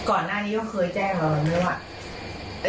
ก่อนหน้านี้เขาเคยแจ้งหรือไม่รู้อ่ะ